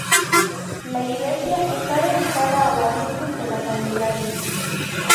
La iglesia está dedicada a la Virgen de la Candelaria.